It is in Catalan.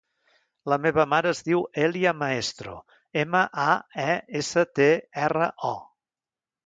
La meva mare es diu Èlia Maestro: ema, a, e, essa, te, erra, o.